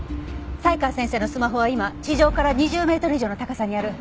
才川先生のスマホは今地上から２０メートル以上の高さにある。